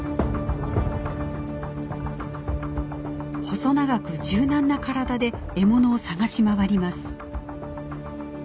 細長く柔軟な体で獲物を探し回ります。